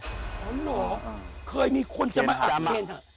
อ๋อเหรอเคยมีคนจะมาอับเคนเหรอ